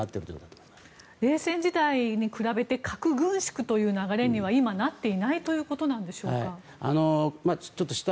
冷戦時代に比べて核軍縮という流れには今なっていないということなんでしょうか。